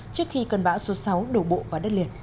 trước khi cơn bão số sáu đổ bộ vào đất liền